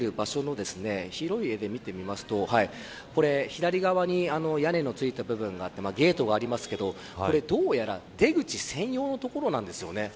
われわれが見ている場所の広い絵で見てみると左側に屋根の付いた部分があってゲートがありますけどどうやら出口専用の所なんですね。